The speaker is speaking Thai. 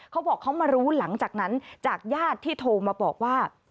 เขาบอกเขามารู้หลังจากนั้นจากญาติที่โทรมาบอกว่า